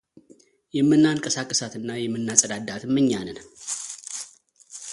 የምናንቀሳቅሳት እና የምናጸዳዳትም እኛ ነን።